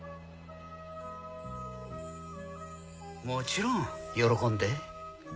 もちろん喜んで。